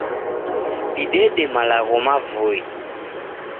Didede malagho mavui.